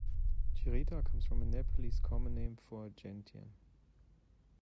"Chirita" comes from a Nepalese common name for a gentian.